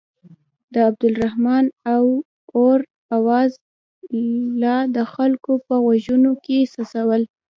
د عبدالرحمن اور اواز لا د خلکو په غوږونو کې څڅول.